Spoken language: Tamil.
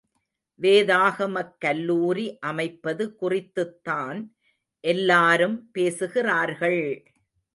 வேதாகமக் கல்லூரி அமைப்பது குறித்துத்தான் எல்லாரும் பேசுகிறார்கள்!